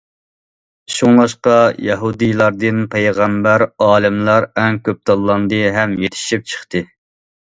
شۇڭلاشقا، يەھۇدىيلاردىن پەيغەمبەر، ئالىملار ئەڭ كۆپ تاللاندى ھەم يېتىشىپ چىقتى.